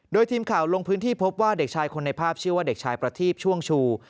โดยทีมข่าวลงพื้นที่พบว่าเด็กชายคนในภาพชื่อว่าเด็กชายประทีบช่วงชู